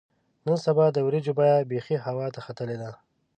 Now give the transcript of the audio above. نن سبا د وریجو بیه بیخي هوا ته ختلې ده.